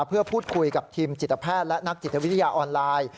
เพื่อพูดคุยกับทีมจิตแพทย์และนักจิตวิทยาออนไลน์